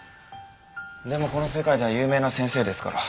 でもこの世界では有名な先生ですから。